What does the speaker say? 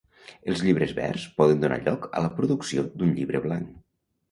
Els llibres verds poden donar lloc a la producció d'un Llibre blanc.